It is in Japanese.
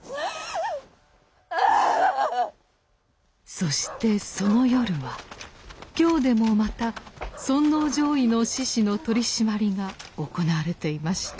そしてその夜は京でもまた尊王攘夷の志士の取締りが行われていました。